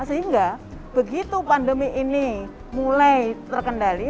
sehingga begitu pandemi ini mulai terkendali